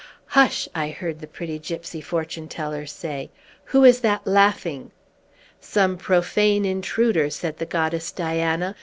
"Hush!" I heard the pretty gypsy fortuneteller say. "Who is that laughing?" "Some profane intruder!" said the goddess Diana.